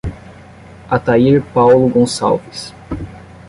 Atair Paulo Goncalves